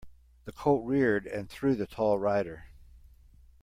The colt reared and threw the tall rider.